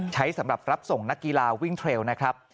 สำหรับรับส่งนักกีฬาวิ่งเทรลนะครับ